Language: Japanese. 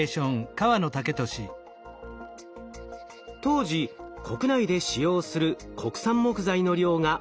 当時国内で使用する国産木材の量が大幅に減少。